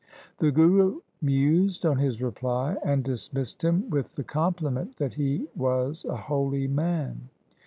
The Guru mused on his reply, and dismissed him with the compliment that he was a holy man.